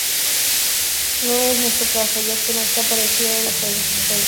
No es nuestro caso, ya que nos ha parecido una verdadera joya inolvidable".